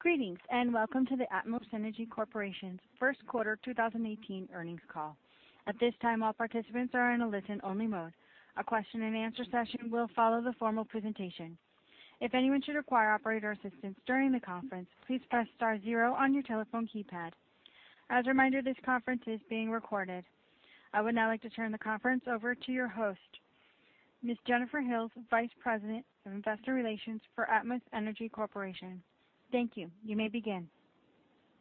Greetings, and welcome to the Atmos Energy Corporation's first quarter 2018 earnings call. At this time, all participants are in a listen-only mode. A question and answer session will follow the formal presentation. If anyone should require operator assistance during the conference, please press star zero on your telephone keypad. As a reminder, this conference is being recorded. I would now like to turn the conference over to your host, Ms. Jennifer Hills, Vice President of Investor Relations for Atmos Energy Corporation. Thank you. You may begin.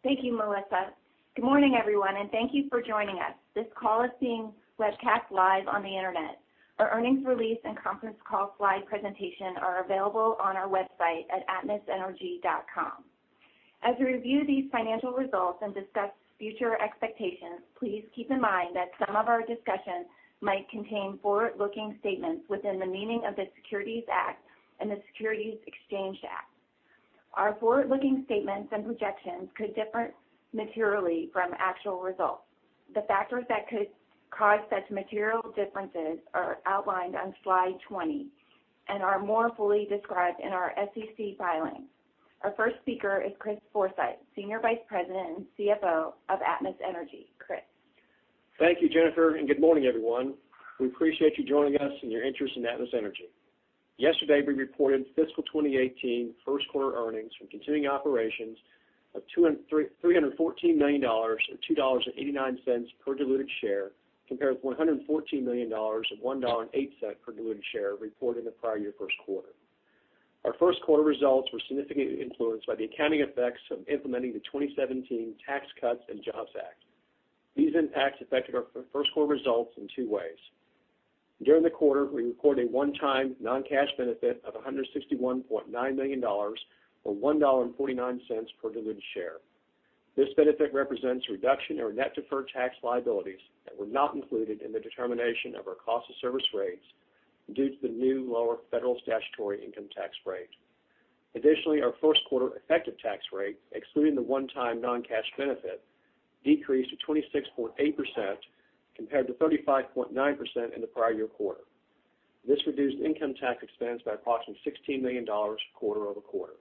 Thank you, Melissa. Good morning, everyone, thank you for joining us. This call is being webcast live on the internet. Our earnings release and conference call slide presentation are available on our website at atmosenergy.com. As we review these financial results and discuss future expectations, please keep in mind that some of our discussions might contain forward-looking statements within the meaning of the Securities Act and the Securities Exchange Act. Our forward-looking statements and projections could differ materially from actual results. The factors that could cause such material differences are outlined on slide 20 and are more fully described in our SEC filing. Our first speaker is Chris Forsythe, Senior Vice President and CFO of Atmos Energy. Chris? Thank you, Jennifer, good morning, everyone. We appreciate you joining us and your interest in Atmos Energy. Yesterday, we reported fiscal 2018 first quarter earnings from continuing operations of $314 million, or $2.89 per diluted share, compared to $114 million at $1.08 per diluted share reported in the prior year first quarter. Our first quarter results were significantly influenced by the accounting effects of implementing the 2017 Tax Cuts and Jobs Act. These impacts affected our first quarter results in two ways. During the quarter, we recorded a one-time non-cash benefit of $161.9 million or $1.49 per diluted share. This benefit represents a reduction in our net deferred tax liabilities that were not included in the determination of our cost of service rates due to the new lower federal statutory income tax rate. Additionally, our first quarter effective tax rate, excluding the one-time non-cash benefit, decreased to 26.8% compared to 35.9% in the prior year quarter. This reduced income tax expense by approximately $16 million quarter-over-quarter.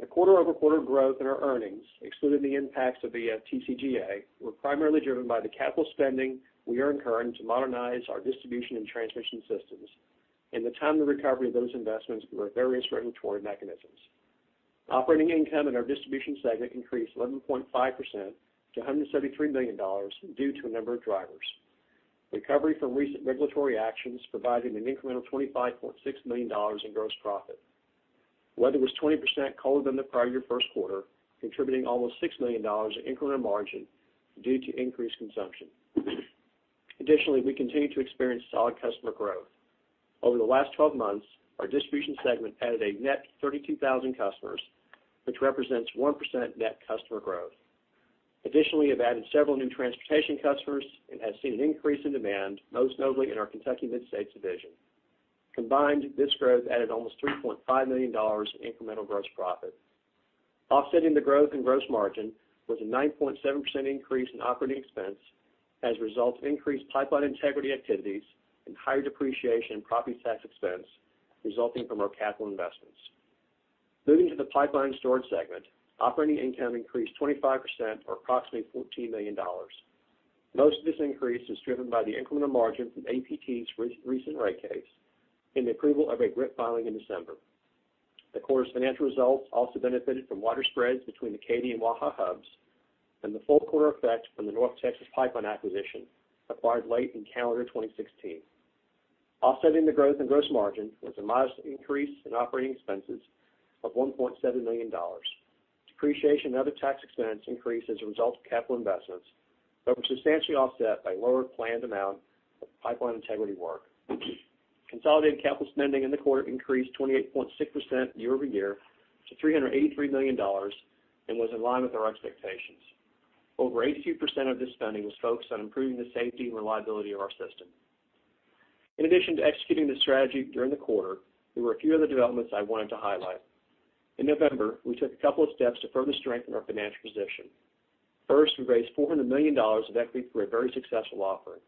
The quarter-over-quarter growth in our earnings, excluding the impacts of the TCJA, were primarily driven by the capital spending we are incurring to modernize our distribution and transmission systems and the timely recovery of those investments through our various regulatory mechanisms. Operating income in our distribution segment increased 11.5% to $373 million due to a number of drivers. Recovery from recent regulatory actions provided an incremental $25.6 million in gross profit. Weather was 20% colder than the prior year first quarter, contributing almost $6 million of incremental margin due to increased consumption. Additionally, we continue to experience solid customer growth. Over the last 12 months, our distribution segment added a net 32,000 customers, which represents 1% net customer growth. Additionally, we've added several new transportation customers and have seen an increase in demand, most notably in our Kentucky/Mid-States division. Combined, this growth added almost $3.5 million in incremental gross profit. Offsetting the growth in gross margin was a 9.7% increase in operating expense as a result of increased pipeline integrity activities and higher depreciation and property tax expense resulting from our capital investments. Moving to the pipeline storage segment, operating income increased 25%, or approximately $14 million. Most of this increase is driven by the incremental margin from APT's recent rate case and the approval of a rate filing in December. The quarter's financial results also benefited from wider spreads between the Katy and Waha hubs and the full quarter effect from the North Texas Pipeline acquisition acquired late in calendar 2016. Offsetting the growth in gross margin was a modest increase in operating expenses of $1.7 million. Depreciation and other tax expense increased as a result of capital investments, but were substantially offset by lower planned amount of pipeline integrity work. Consolidated capital spending in the quarter increased 28.6% year-over-year to $383 million and was in line with our expectations. Over 82% of this spending was focused on improving the safety and reliability of our system. In addition to executing this strategy during the quarter, there were a few other developments I wanted to highlight. In November, we took a couple of steps to further strengthen our financial position. First, we raised $400 million of equity through a very successful offering.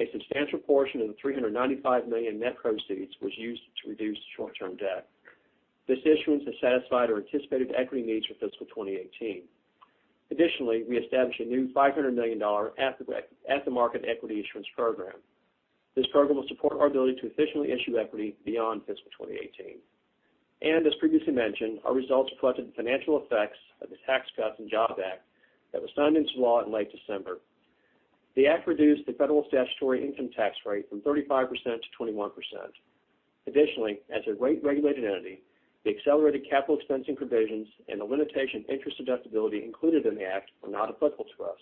A substantial portion of the $395 million net proceeds was used to reduce short-term debt. This issuance has satisfied our anticipated equity needs for fiscal 2018. Additionally, we established a new $500 million at-the-market equity issuance program. This program will support our ability to efficiently issue equity beyond fiscal 2018. As previously mentioned, our results reflected the financial effects of the Tax Cuts and Jobs Act that was signed into law in late December. The act reduced the federal statutory income tax rate from 35% to 21%. As a rate-regulated entity, the accelerated capital expensing provisions and the limitation interest deductibility included in the act were not applicable to us.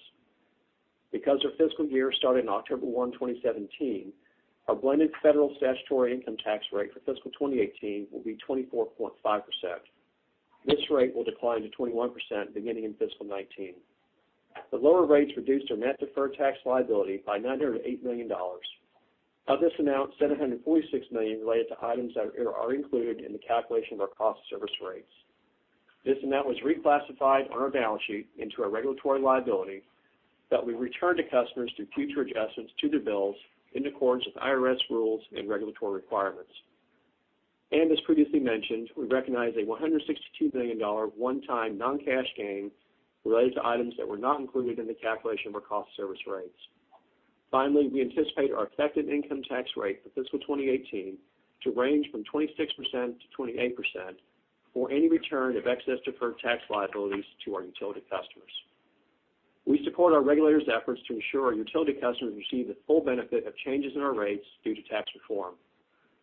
Because our fiscal year started on October 1, 2017, our blended federal statutory income tax rate for fiscal 2018 will be 24.5%. This rate will decline to 21% beginning in fiscal 2019. The lower rates reduced our net deferred tax liability by $908 million. Of this amount, $746 million related to items that are included in the calculation of our cost of service rates. This amount was reclassified on our balance sheet into a regulatory liability that we return to customers through future adjustments to their bills in accordance with IRS rules and regulatory requirements. As previously mentioned, we recognized a $162 million one-time non-cash gain related to items that were not included in the calculation of our cost of service rates. Finally, we anticipate our effective income tax rate for fiscal 2018 to range from 26%-28% for any return of excess deferred tax liabilities to our utility customers. We support our regulators' efforts to ensure our utility customers receive the full benefit of changes in our rates due to tax reform.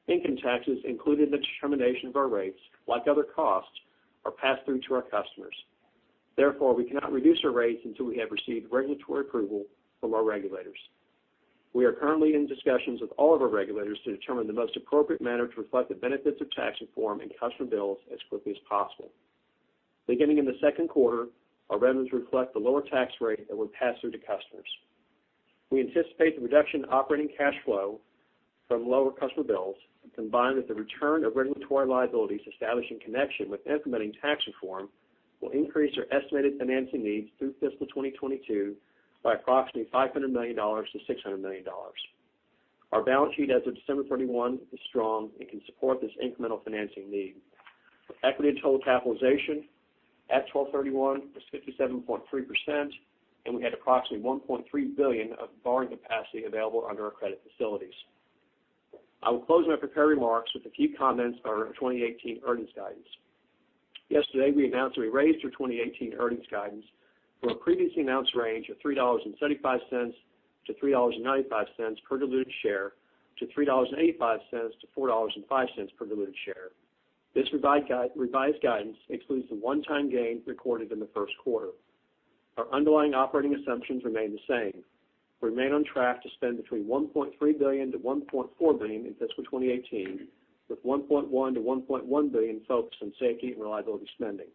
Income taxes included in the determination of our rates, like other costs, are passed through to our customers. Therefore, we cannot reduce our rates until we have received regulatory approval from our regulators. We are currently in discussions with all of our regulators to determine the most appropriate manner to reflect the benefits of tax reform in customer bills as quickly as possible. Beginning in the second quarter, our revenues reflect the lower tax rate that we pass through to customers. We anticipate the reduction in operating cash flow from lower customer bills, combined with the return of regulatory liabilities established in connection with implementing tax reform, will increase our estimated financing needs through fiscal 2022 by approximately $500 million-$600 million. Our balance sheet as of December 31 is strong and can support this incremental financing need. Equity to total capitalization at 12/31 was 67.3%, and we had approximately $1.3 billion of borrowing capacity available under our credit facilities. I will close my prepared remarks with a few comments on our 2018 earnings guidance. Yesterday, we announced that we raised our 2018 earnings guidance from a previously announced range of $3.75-$3.95 per diluted share to $3.85-$4.05 per diluted share. This revised guidance excludes the one-time gain recorded in the first quarter. Our underlying operating assumptions remain the same. We remain on track to spend between $1.3 billion-$1.4 billion in fiscal 2018, with $1.1 billion focused on safety and reliability spending.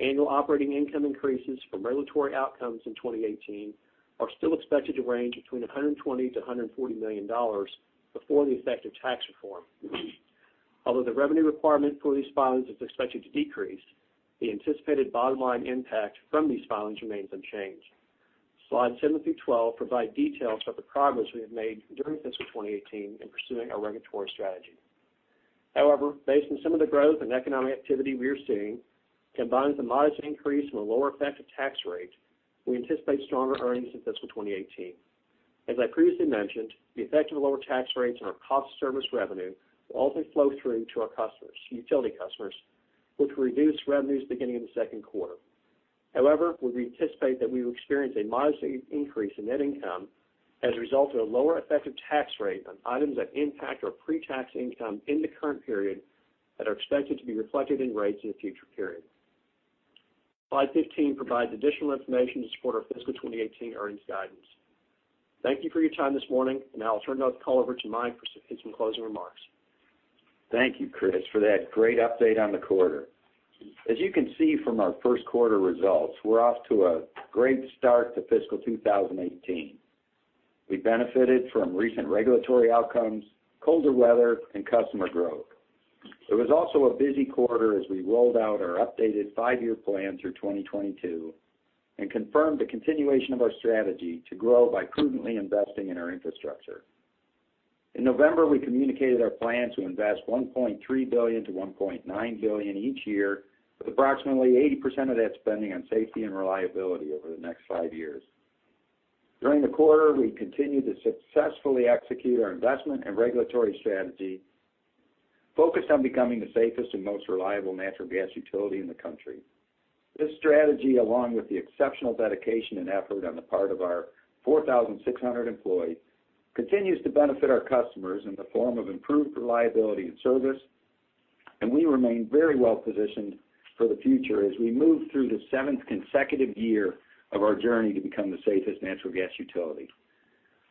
Annual operating income increases from regulatory outcomes in 2018 are still expected to range between $120 million-$140 million before the effect of tax reform. Although the revenue requirement for these filings is expected to decrease, the anticipated bottom-line impact from these filings remains unchanged. Slides seven through 12 provide details of the progress we have made during fiscal 2018 in pursuing our regulatory strategy. However, based on some of the growth and economic activity we are seeing, combined with the modest increase from a lower effective tax rate, we anticipate stronger earnings in fiscal 2018. As I previously mentioned, the effect of lower tax rates on our cost of service revenue will also flow through to our utility customers, which will reduce revenues beginning in the second quarter. However, we anticipate that we will experience a modest increase in net income as a result of a lower effective tax rate on items that impact our pre-tax income in the current period that are expected to be reflected in rates in a future period. Slide 15 provides additional information to support our fiscal 2018 earnings guidance. Thank you for your time this morning, and now I'll turn the call over to Mike for some closing remarks. Thank you, Chris, for that great update on the quarter. As you can see from our first quarter results, we're off to a great start to fiscal 2018. We benefited from recent regulatory outcomes, colder weather, and customer growth. It was also a busy quarter as we rolled out our updated five-year plan through 2022 and confirmed the continuation of our strategy to grow by prudently investing in our infrastructure. In November, we communicated our plan to invest $1.3 billion-$1.9 billion each year, with approximately 80% of that spending on safety and reliability over the next five years. During the quarter, we continued to successfully execute our investment and regulatory strategy focused on becoming the safest and most reliable natural gas utility in the country. This strategy, along with the exceptional dedication and effort on the part of our 4,600 employees, continues to benefit our customers in the form of improved reliability and service. We remain very well-positioned for the future as we move through the seventh consecutive year of our journey to become the safest natural gas utility.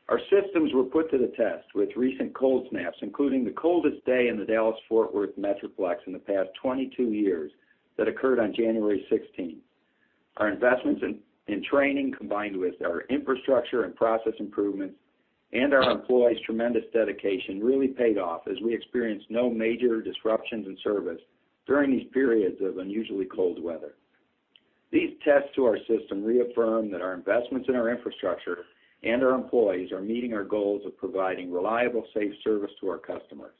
Our systems were put to the test with recent cold snaps, including the coldest day in the Dallas-Fort Worth Metroplex in the past 22 years that occurred on January 16th. Our investments in training, combined with our infrastructure and process improvements and our employees' tremendous dedication, really paid off as we experienced no major disruptions in service during these periods of unusually cold weather. These tests to our system reaffirm that our investments in our infrastructure and our employees are meeting our goals of providing reliable, safe service to our customers.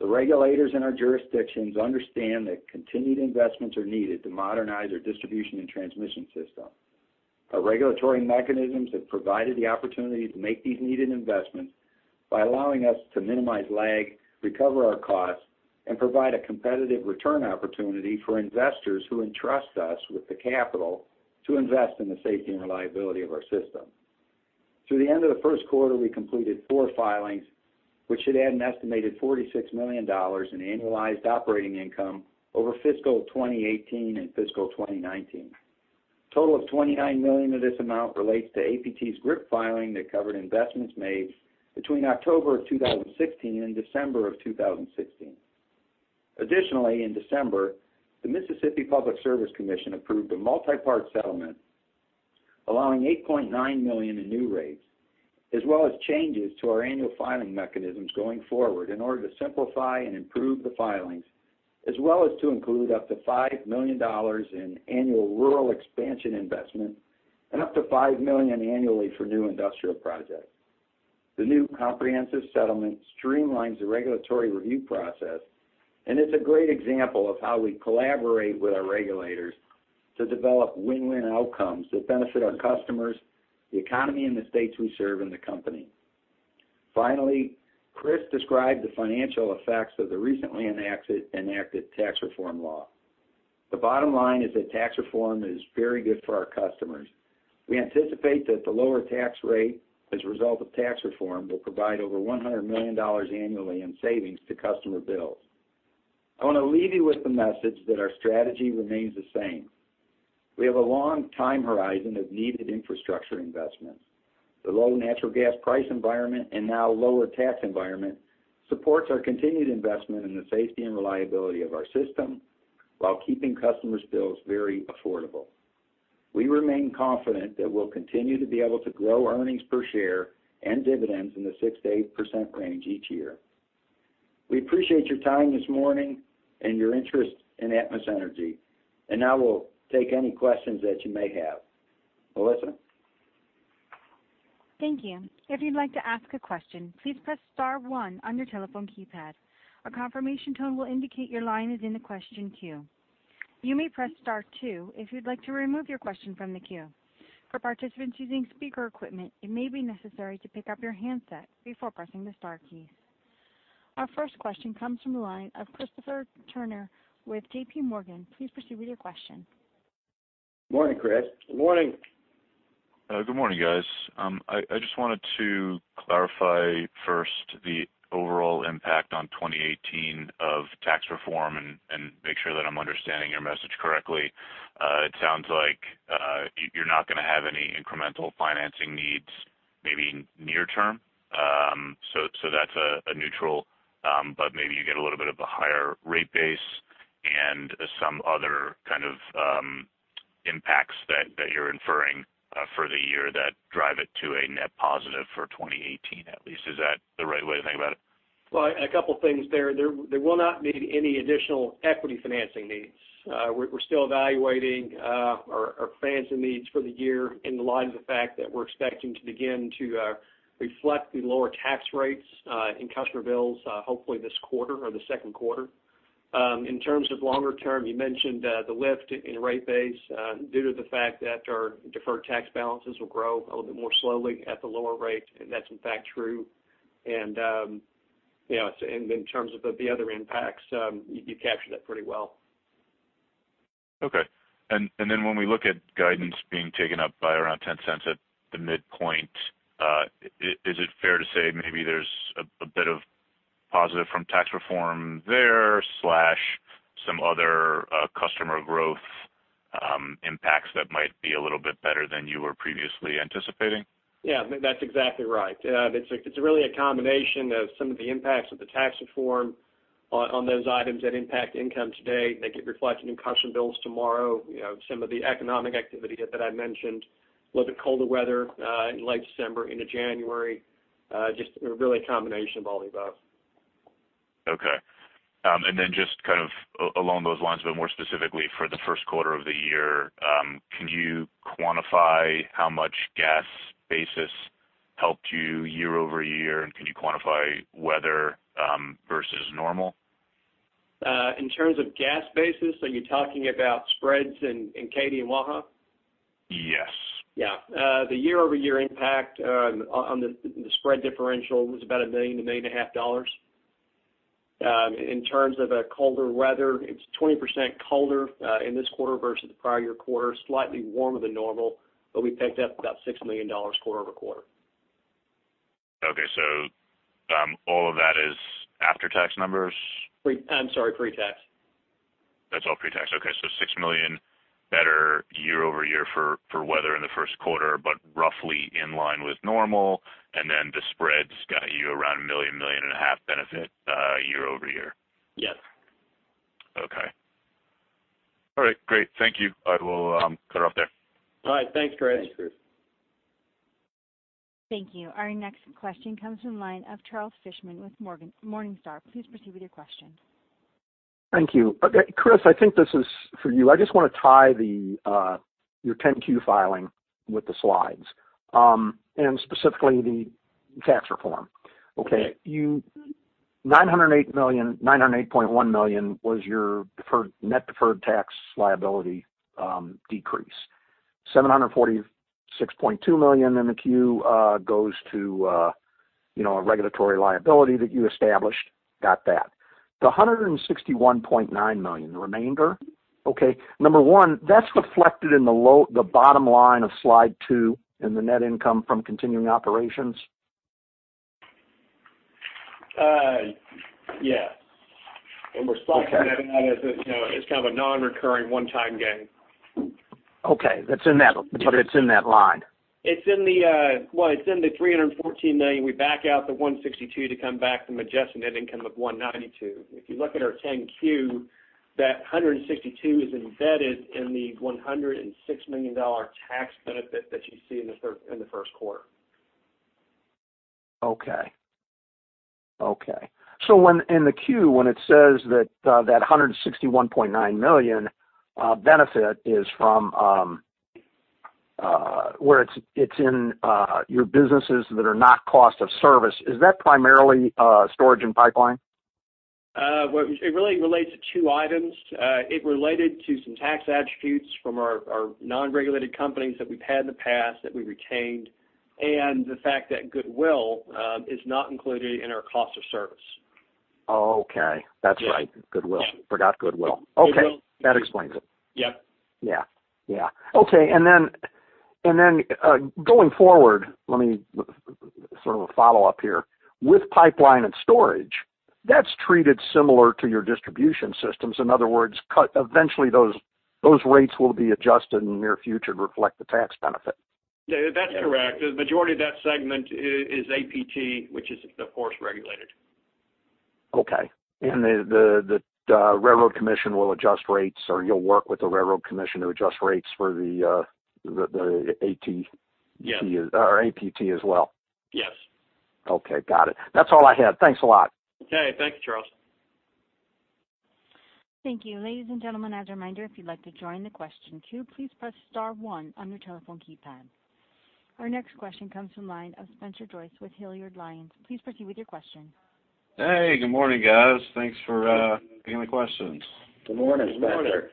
The regulators in our jurisdictions understand that continued investments are needed to modernize our distribution and transmission system. Our regulatory mechanisms have provided the opportunity to make these needed investments by allowing us to minimize lag, recover our costs, and provide a competitive return opportunity for investors who entrust us with the capital to invest in the safety and reliability of our system. Through the end of the first quarter, we completed four filings, which should add an estimated $46 million in annualized operating income over fiscal 2018 and fiscal 2019. A total of $29 million of this amount relates to APT's GRIP filing that covered investments made between October of 2016 and December of 2016. Additionally, in December, the Mississippi Public Service Commission approved a multi-part settlement allowing $8.9 million in new rates as well as changes to our annual filing mechanisms going forward in order to simplify and improve the filings, as well as to include up to $5 million in annual rural expansion investment and up to $5 million annually for new industrial projects. The new comprehensive settlement streamlines the regulatory review process, it's a great example of how we collaborate with our regulators to develop win-win outcomes that benefit our customers, the economy in the states we serve, and the company. Finally, Chris described the financial effects of the recently enacted tax reform law. The bottom line is that tax reform is very good for our customers. We anticipate that the lower tax rate as a result of tax reform will provide over $100 million annually in savings to customer bills. I want to leave you with the message that our strategy remains the same. We have a long time horizon of needed infrastructure investments. The low natural gas price environment, and now lower tax environment, supports our continued investment in the safety and reliability of our system while keeping customers' bills very affordable. We remain confident that we'll continue to be able to grow earnings per share and dividends in the 6%-8% range each year. We appreciate your time this morning and your interest in Atmos Energy. Now we'll take any questions that you may have. Melissa? Thank you. If you'd like to ask a question, please press star one on your telephone keypad. A confirmation tone will indicate your line is in the question queue. You may press star two if you'd like to remove your question from the queue. For participants using speaker equipment, it may be necessary to pick up your handset before pressing the star keys. Our first question comes from the line of Christopher Turnure with J.P. Morgan. Please proceed with your question. Morning, Chris. Good morning. Good morning, guys. I just wanted to clarify first the overall impact on 2018 of tax reform and make sure that I'm understanding your message correctly. It sounds like you're not going to have any incremental financing needs, maybe near term. That's a neutral, but maybe you get a little bit of a higher rate base and some other kind of impacts that you're inferring for the year that drive it to a net positive for 2018 at least. Is that the right way to think about it? Well, a couple of things there. There will not be any additional equity financing needs. We're still evaluating our financing needs for the year in light of the fact that we're expecting to begin to reflect the lower tax rates in customer bills hopefully this quarter or the second quarter. In terms of longer term, you mentioned the lift in rate base due to the fact that our deferred tax balances will grow a little bit more slowly at the lower rate, and that's in fact true. In terms of the other impacts, you captured that pretty well. Okay. When we look at guidance being taken up by around $0.10 at the midpoint, is it fair to say maybe there's a bit of positive from tax reform there, slash some other customer growth impacts that might be a little bit better than you were previously anticipating? Yeah, that's exactly right. It's really a combination of some of the impacts of the tax reform on those items that impact income today that get reflected in customer bills tomorrow. Some of the economic activity that I mentioned, a little bit colder weather in late December into January, just really a combination of all the above. Okay. Just kind of along those lines, more specifically for the first quarter of the year, can you quantify how much gas basis helped you year-over-year, and can you quantify weather versus normal? In terms of gas basis, are you talking about spreads in Katy and Waha? Yes. Yeah. The year-over-year impact on the spread differential was about $1 million to $1.5 million. In terms of colder weather, it's 20% colder in this quarter versus the prior year quarter, slightly warmer than normal, we picked up about $6 million quarter-over-quarter. Okay. All of that is after-tax numbers? I'm sorry, pre-tax. That's all pre-tax. Okay. $6 million better year-over-year for weather in the first quarter, roughly in line with normal, the spreads got you around a million, a million and a half benefit year-over-year. Yes. Okay. All right. Great. Thank you. I will cut it off there. All right. Thanks, Chris. Thanks, Chris. Thank you. Our next question comes from the line of Charles Fishman with Morningstar. Please proceed with your question. Thank you. Chris, I think this is for you. I just want to tie your 10-Q filing with the slides, and specifically the tax reform. Okay. $908.1 million was your net deferred tax liability decrease. $746.2 million in the Q goes to a regulatory liability that you established. Got that. The $161.9 million, the remainder, okay, number one, that's reflected in the bottom line of slide two in the net income from continuing operations? Yes. Okay. We're spiking that out as this kind of a non-recurring one-time gain. Okay. It's in that line? Well, it's in the $314 million. We back out the $162 to come back to an adjusted net income of $192. If you look at our 10-Q, that $162 is embedded in the $106 million tax benefit that you see in the first quarter. Okay. In the Q, when it says that $161.9 million benefit is from where it's in your businesses that are not cost of service, is that primarily storage and pipeline? Well, it really relates to two items. It related to some tax attributes from our non-regulated companies that we've had in the past that we retained, and the fact that goodwill is not included in our cost of service. Okay. That's right. Goodwill. Forgot goodwill. Okay. That explains it. Yep. Yeah. Okay. Then going forward, let me sort of a follow-up here. With pipeline and storage, that's treated similar to your distribution systems. In other words, eventually those rates will be adjusted in the near future to reflect the tax benefit. Yeah, that's correct. The majority of that segment is APT, which is, of course, regulated. Okay. The Railroad Commission will adjust rates, or you'll work with the Railroad Commission to adjust rates for the APT as well? Yes. Okay, got it. That's all I had. Thanks a lot. Okay. Thank you, Charles. Thank you. Ladies and gentlemen, as a reminder, if you'd like to join the question queue, please press star one on your telephone keypad. Our next question comes from the line of Spencer Joyce with Hilliard Lyons. Please proceed with your question. Hey, good morning, guys. Thanks for taking the questions. Good morning, Spencer.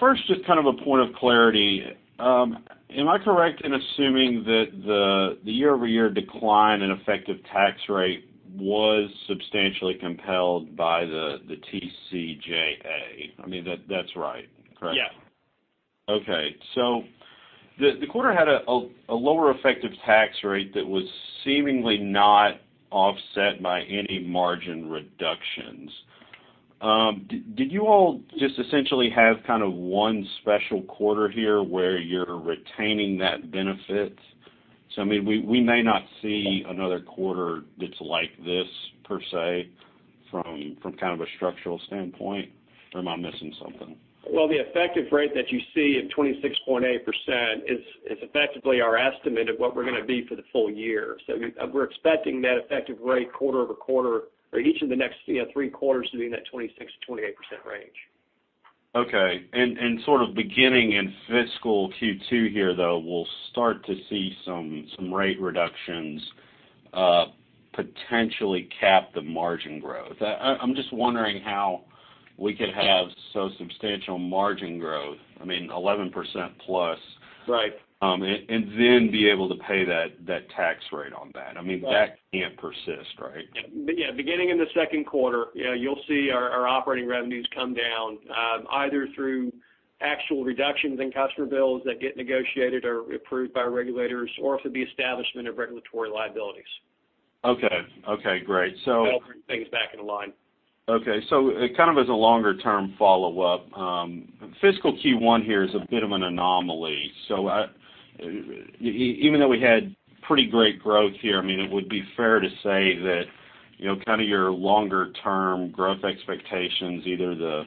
First, just kind of a point of clarity. Am I correct in assuming that the year-over-year decline in effective tax rate was substantially compelled by the TCJA? I mean, that's right, correct? Yeah. Okay. The quarter had a lower effective tax rate that was seemingly not offset by any margin reductions. Did you all just essentially have kind of one special quarter here where you're retaining that benefit? We may not see another quarter that's like this per se from kind of a structural standpoint, or am I missing something? Well, the effective rate that you see at 26.8% is effectively our estimate of what we're going to be for the full year. We're expecting that effective rate quarter-over-quarter or each of the next three quarters to be in that 26%-28% range. Okay. Sort of beginning in fiscal Q2 here, though, we'll start to see some rate reductions potentially cap the margin growth. I'm just wondering how we could have so substantial margin growth, I mean 11% plus. Right Then be able to pay that tax rate on that. I mean, that can't persist, right? Yeah. Beginning in the second quarter, you'll see our operating revenues come down, either through actual reductions in customer bills that get negotiated or approved by regulators, or through the establishment of regulatory liabilities. Okay, great. That'll bring things back into line. Okay. Kind of as a longer-term follow-up, fiscal Q1 here is a bit of an anomaly. Even though we had pretty great growth here, I mean, it would be fair to say that your longer-term growth expectations, either the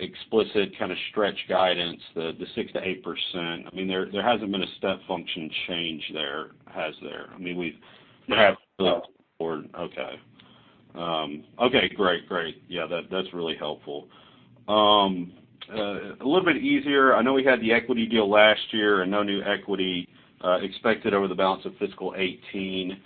explicit kind of stretch guidance, the 6%-8%, there hasn't been a step function change there, has there? I mean. No. Okay. Great. Yeah, that's really helpful. A little bit easier, I know we had the equity deal last year and no new equity expected over the balance of fiscal 2018.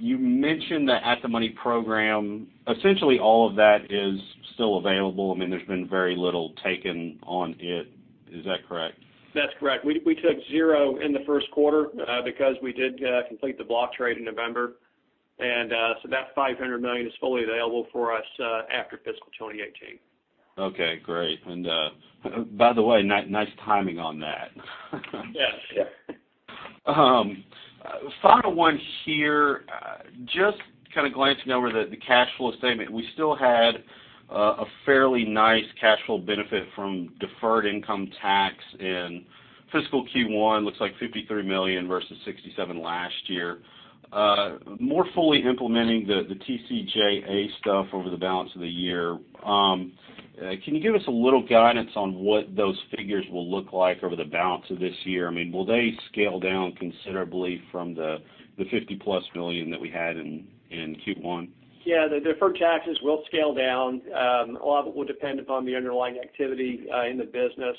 You mentioned the at-the-market program. Essentially all of that is still available. There's been very little taken on it, is that correct? That's correct. We took zero in the first quarter because we did complete the block trade in November, that $500 million is fully available for us after fiscal 2018. Okay, great. By the way, nice timing on that. Yes. Final one here. Just kind of glancing over the cash flow statement. We still had a fairly nice cash flow benefit from deferred income tax in fiscal Q1, looks like $53 million versus $67 last year. More fully implementing the TCJA stuff over the balance of the year. Can you give us a little guidance on what those figures will look like over the balance of this year? I mean, will they scale down considerably from the $50-plus million that we had in Q1? Yeah, the deferred taxes will scale down. A lot of it will depend upon the underlying activity in the business.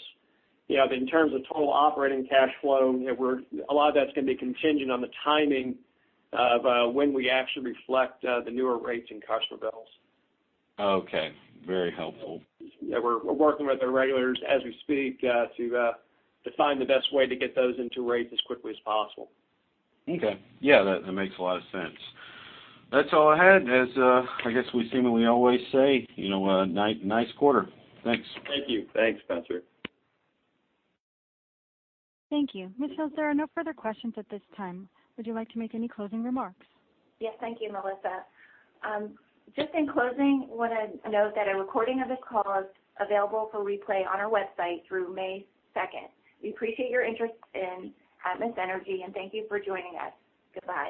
In terms of total operating cash flow, a lot of that's going to be contingent on the timing of when we actually reflect the newer rates in customer bills. Okay. Very helpful. Yeah. We're working with the regulators as we speak to find the best way to get those into rates as quickly as possible. Okay. Yeah, that makes a lot of sense. That's all I had, as I guess we seemingly always say, nice quarter. Thanks. Thank you. Thanks, Spencer. Thank you. Ms. Hills, there are no further questions at this time. Would you like to make any closing remarks? Yes. Thank you, Melissa. Just in closing, want to note that a recording of this call is available for replay on our website through May 2nd. We appreciate your interest in Atmos Energy, and thank you for joining us. Goodbye.